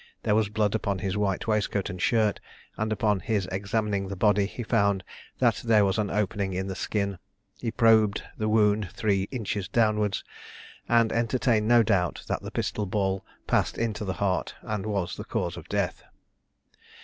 There was blood upon his white waistcoat and shirt; and upon his examining the body, he found that there was an opening in the skin. He probed the wound three inches downwards, and entertained no doubt that the pistol ball passed into the heart, and was the cause of death.